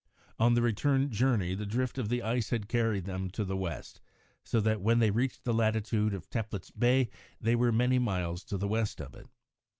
On the return journey the drift of the ice had carried them to the west, so that when they reached the latitude of Teplitz Bay they were many miles to the west of it.